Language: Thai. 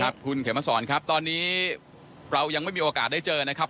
คุณเขมสอนครับตอนนี้เรายังไม่มีโอกาสได้เจอนะครับ